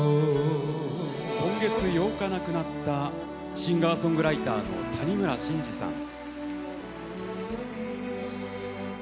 今月８日亡くなったシンガーソングライターの谷村新司さん。